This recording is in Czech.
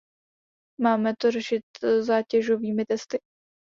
Máme to řešit zátěžovými testy?